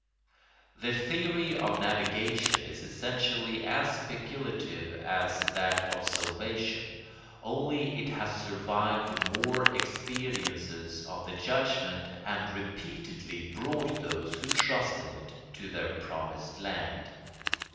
The theory of navigation is essentially as speculative as that of salvation, only it has survived more experiences of the judgment and repeatedly brought those who trust in it to their promised land.